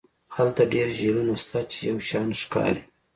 هلته ډیر جهیلونه شته چې یو شان ښکاري